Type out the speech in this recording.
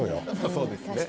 そうですね。